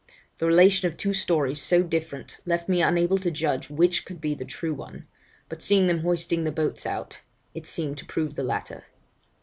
The relation of two stories so different, left me unable to judge which could be the true one; but seeing them hoisting the boats out, it seemed to prove the latter.